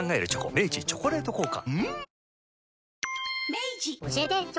明治「チョコレート効果」